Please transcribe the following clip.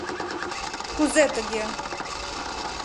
— Кузе тыге!